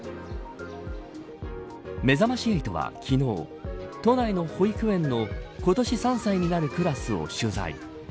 めざまし８は、昨日都内の保育園の今年３歳になるクラスを取材。